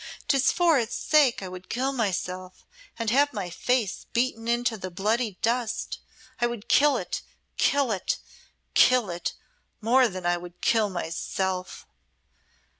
"'Tis for its sake I would kill myself, and have my face beaten into the bloody dust. I would kill it kill it kill it more than I would kill myself!"